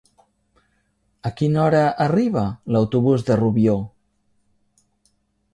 A quina hora arriba l'autobús de Rubió?